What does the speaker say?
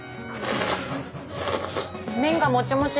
麺がもちもち。